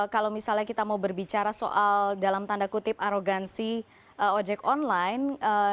kalau misalnya kita mau berbicara soal dalam tanda kutip arogansi ojek online